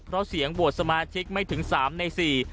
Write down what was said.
เพราะเสียงโหวดสมาธิกไม่ถึง๓ใน๔